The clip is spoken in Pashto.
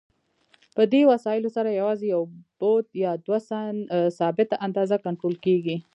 په دې وسایلو سره یوازې یو بعد یا یوه ثابته اندازه کنټرول کېږي.